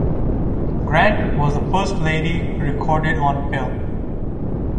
Grant was the first First Lady recorded on film.